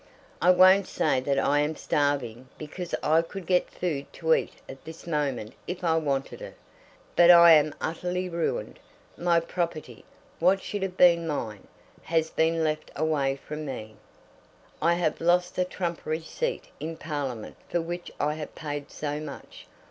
I won't say that I am starving, because I could get food to eat at this moment if I wanted it; but I am utterly ruined. My property, what should have been mine, has been left away from me. I have lost the trumpery seat in Parliament for which I have paid so much.